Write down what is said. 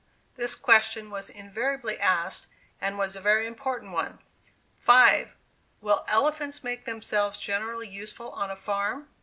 this question was invariably asked, and was a very important one. 5. "Will elephants make themselves generally useful on a farm?"